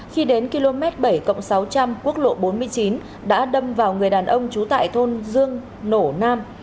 khi đến km bảy sáu trăm linh quốc lộ bốn mươi chín đã đâm vào người đàn ông trú tại thôn dương nổ nam